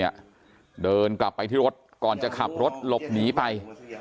เดินกลับไปที่รถก่อนจะขับรถหลบหนีไป